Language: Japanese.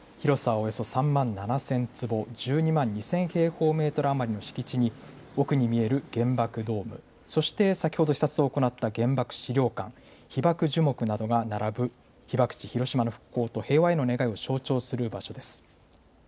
およそ３万７０００坪、１２万２０００平方メートル余りの敷地に奥に見える原爆ドーム、そして先ほど視察を行った原爆資料館、被爆樹木などが並ぶ被爆地広島の復興と平和への願いを象徴する場所です。